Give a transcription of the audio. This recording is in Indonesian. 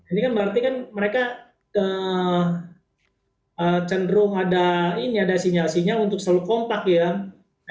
ini kan berarti kan mereka cenderung ada ini ada sinyal sinyal untuk selalu kompak ya